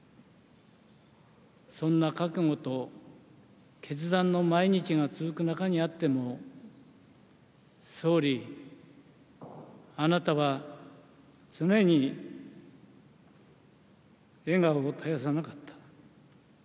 そんな覚悟と決断の毎日が続く中にあっても、総理、あなたは常に笑顔を絶やさなかった。